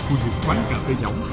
khu vực quán cà phê giọng